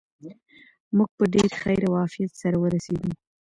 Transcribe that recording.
موږ په ډېر خیر او عافیت سره ورسېدو.